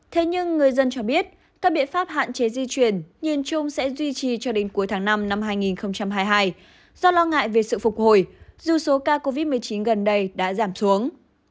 thế nhưng người dân cho biết các biện pháp hạn chế di chuyển nhìn chung sẽ duy trì cho đến cuối tháng năm năm hai nghìn hai mươi hai do lo ngại về sự phục hồi dù số ca covid một mươi chín gần đây đã giảm xuống